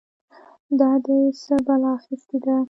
دا دې څه بلا اخيستې ده؟!